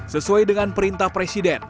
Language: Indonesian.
sesuai dengan perintah presiden